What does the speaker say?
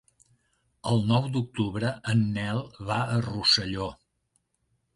El nou d'octubre en Nel va a Rosselló.